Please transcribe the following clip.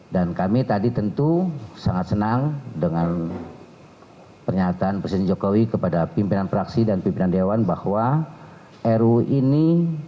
dan kami tadi tentu sangat senang dengan pernyataan presiden jokowi kepada pimpinan praksi dan pimpinan dewan bahwa ruu ini